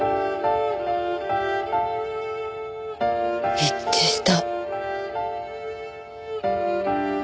一致した。